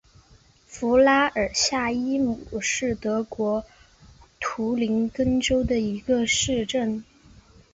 弗拉尔夏伊姆是德国图林根州的一个市镇。